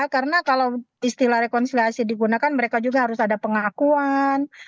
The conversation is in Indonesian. karena kalau istilah rekonsiliasi digunakan mereka juga harus ada pengakuan